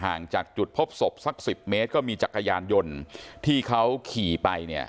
จากจุดพบศพสักสิบเมตรก็มีจักรยานยนต์ที่เขาขี่ไปเนี่ย